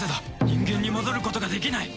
人間に戻ることができない！